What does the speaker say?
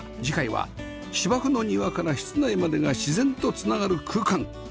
次回は芝生の庭から室内までが自然と繋がる空間